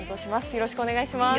よろしくお願いします。